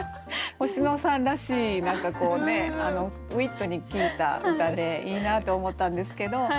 星野さんらしい何かこうねウイットに効いた歌でいいなって思ったんですけど。